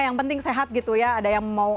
yang penting sehat gitu ya ada yang mau